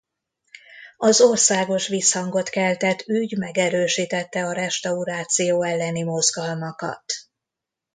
Az országos visszhangot keltett ügy megerősítette a restauráció elleni mozgalmakat.